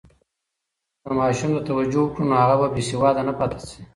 که ماشوم ته توجه وکړو، نو هغه به بې سواده نه پاتې شي.